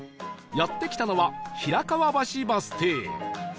やって来たのは平川橋バス停